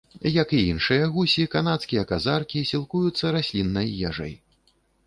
Як і іншыя гусі, канадскія казаркі сілкуюцца расліннай ежай.